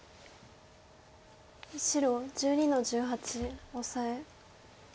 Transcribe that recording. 白１２の十八オサエ。